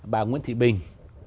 bà nguyễn thị bình